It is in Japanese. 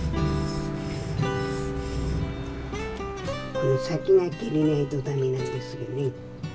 この先が切れないとダメなんですよね。